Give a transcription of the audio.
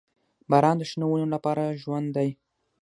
• باران د شنو ونو لپاره ژوند دی.